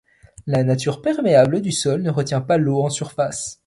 La nature perméable du sol ne retient pas l'eau en surface.